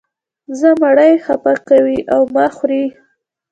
زما مرۍ خپه کوې او ما خورې.